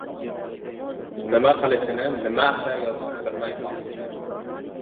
Nima kilishini, nima asar yozishini bilmay koldi.